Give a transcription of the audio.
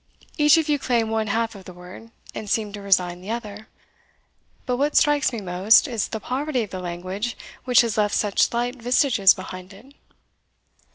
Each of you claim one half of the word, and seem to resign the other. But what strikes me most, is the poverty of the language which has left such slight vestiges behind it."